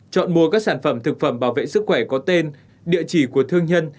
chọn mua các sản phẩm thực phẩm bảo vệ sức khỏe có tên địa chỉ của thương nhân